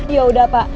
ya udah pak